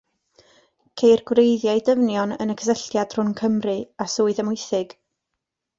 Ceir gwreiddiau dyfnion yn y cysylltiad rhwng Cymru a Swydd Amwythig.